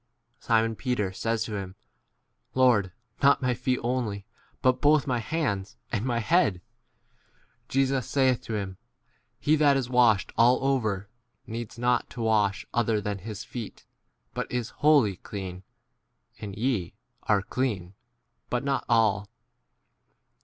Simon Peter says to him, Lord, not my feet only, but both my hands and my head. 10 Jesus saith to him, He that is washed all over h needs not to wash [other] than 1 his feet, but is wholly clean ; and ye * are clean, 11 but not all.